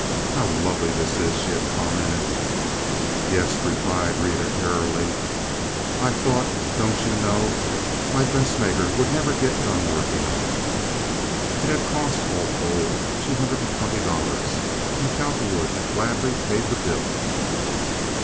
"How lovely this is," she had commented. "Yes," Rita had replied, airily; "I thought, don't you know, my dressmaker would never get done working on it." It had cost, all told, two hundred and twenty dollars, and Cowperwood had gladly paid the bill.